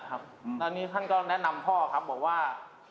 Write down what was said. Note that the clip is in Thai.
และท่านก็แนะนำพ่อบอกว่า